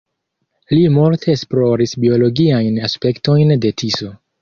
Li multe esploris biologiajn aspektojn de Tiso.